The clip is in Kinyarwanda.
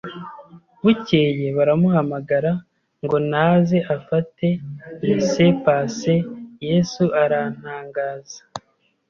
bukeye baramuhamagara ngo naze afate laissez –passer, Yesu arantangaza!